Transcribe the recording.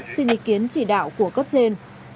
xin ý kiến chỉ đạo của cấp trên